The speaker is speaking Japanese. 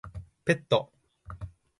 ペット